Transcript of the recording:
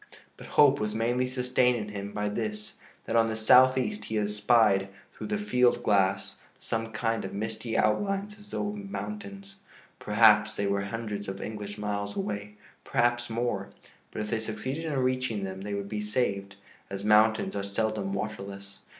But hope was mainly sustained in him by this, that on the southeast he espied through the field glass some kind of misty outlines as though of mountains. Perhaps they were hundreds of English miles away, perhaps more. But if they succeeded in reaching them, they would be saved, as mountains are seldom waterless.